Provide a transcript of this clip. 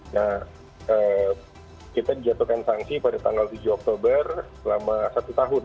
dan kita dijatuhkan sanksi pada tanggal tujuh oktober selama satu tahun